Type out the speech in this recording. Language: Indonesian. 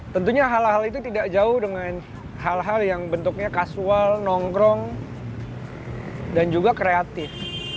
tentunya hal hal itu tidak jauh dengan hal hal yang bentuknya kasual nongkrong dan juga kreatif